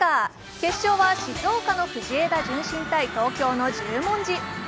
決勝は静岡の藤枝順心対東京の十文字。